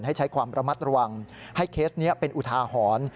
ให้ใช้ความระมัดระวังให้เคสนี้เป็นอุทาหรณ์